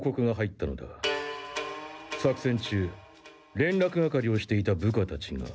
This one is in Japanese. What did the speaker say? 作戦中連絡係をしていた部下たちが。